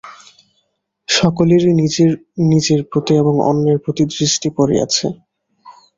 সকলেরই নিজের নিজের প্রতি এবং অন্যের প্রতি দৃষ্টি পড়িয়াছে।